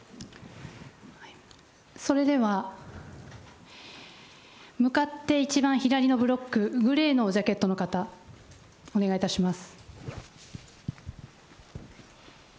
それでは、向かって一番左のブロック、グレーのジャケットの方、お願いいたします。